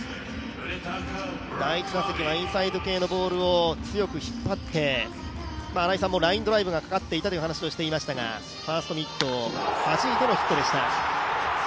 第１打席はインサイド系のボールを強く引っ張って新井さんもラインドライブがかかっていたという話をしていましたが、ファーストミットをはじいてのヒットでした。